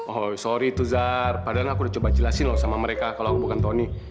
oh sorry to za padahal aku udah coba jelasin loh sama mereka kalau aku bukan tony